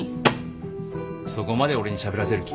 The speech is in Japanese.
そこまで俺にしゃべらせる気？